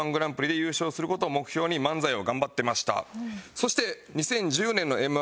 そして。